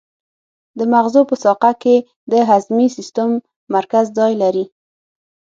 د مغزو په ساقه کې د هضمي سیستم مرکز ځای لري.